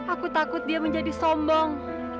aku takut dia menjadi sombong